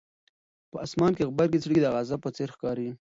په اسمان کې غبرګې څړیکې د غضب په څېر ښکاري.